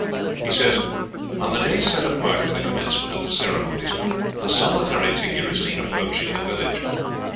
He says: "On the day set apart for the commencement of the ceremonies a solitary figure is seen approaching the village.